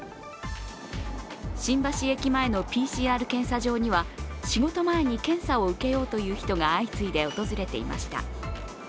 新橋駅前のＰＣＲ検査場には仕事前に検査を受けようという人が相次いで訪れていました。